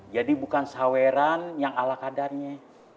jadi bukan saweran yang ala kadarnya